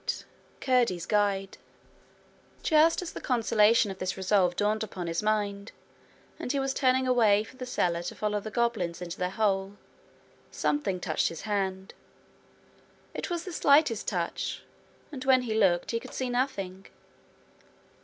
CHAPTER 28 Curdie's Guide Just as the consolation of this resolve dawned upon his mind and he was turning away for the cellar to follow the goblins into their hole, something touched his hand. It was the slightest touch, and when he looked he could see nothing.